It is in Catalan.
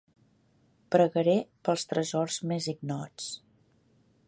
Pregaré pels tresors més ignots.